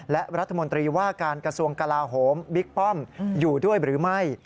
และรัฐมนตรีว่าการกระทรวงกลาโหมบิ๊กป้อมอยู่ด้วยหรือไม่